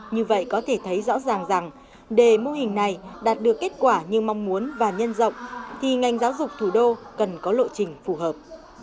như vậy có thể thấy rõ ràng rằng để mô hình này đạt được kết quả như mong muốn và nhân rộng thì ngành giáo dục thủ đô cần có lộ trình phù hợp